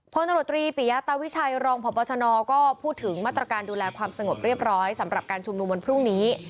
พลตำรวจตรีปิยาตาวิชัยรองพบชนก็พูดถึงมาตรการดูแลความสงบเรียบร้อยสำหรับการชุมนุมวันพรุ่งนี้